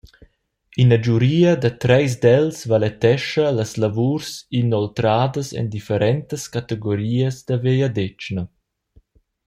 Ina giuria da treis dels valetescha las lavurs inoltradas en differentas categorias da vegliadetgna.